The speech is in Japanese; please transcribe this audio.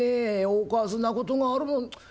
おかしなことがあるもんチッ。